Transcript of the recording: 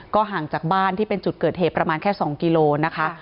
ห่างจากบ้านที่เป็นจุดเกิดเหตุประมาณแค่๒กิโลนะคะ